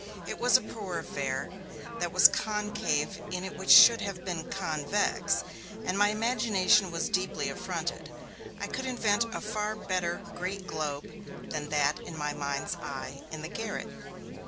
It was a poor affair; that was concave in it which should have been convex, and my imagination was deeply affronted. I could invent a far better Great Globe than that in my mind's eye in the garret.